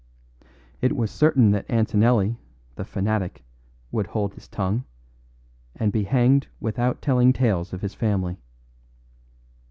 It was certain that Antonelli, the fanatic, would hold his tongue, and be hanged without telling tales of his family.